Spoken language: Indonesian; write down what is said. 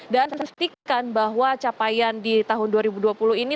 dan pastikan bahwa capaian di tahun dua ribu dua puluh ini